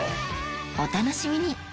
お楽しみに！